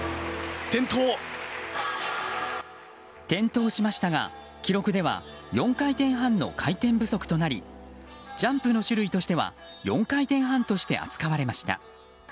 転倒しましたが、記録では４回転半の回転不足となりジャンプの種類としては４回転半として扱われました。